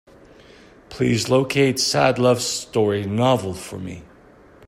Please locate Sad Love Story novel for me.